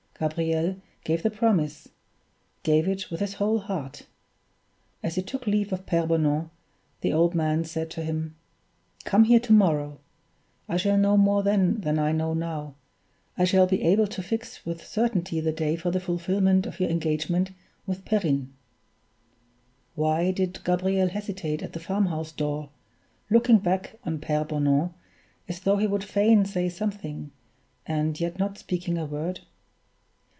Gabriel gave the promise gave it with his whole heart. As he took leave of Pere Bonan, the old man said to him: "Come here to morrow; I shall know more then than I know now I shall be able to fix with certainty the day for the fulfillment of your engagement with Perrine." Why did Gabriel hesitate at the farmhouse door, looking back on Pere Bonan as though he would fain say something, and yet not speaking a word?